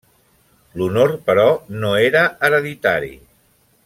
L'honor, però, no era hereditari.